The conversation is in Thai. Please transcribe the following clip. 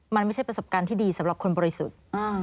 มันไม่ใช่ประสบการณ์ที่ดีสำหรับคนบริสุทธิ์